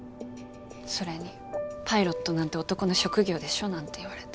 それにパイロットなんて男の職業でしょなんて言われて。